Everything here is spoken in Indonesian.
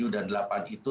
tujuh dan delapan itu